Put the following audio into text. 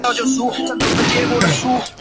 宫城县名取市人。